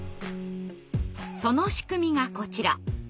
その仕組みがこちら。